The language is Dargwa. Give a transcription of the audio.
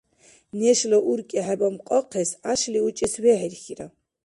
Нешла уркӀи хӀебамкьахъес гӀяшли учӀес вехӀирхьира.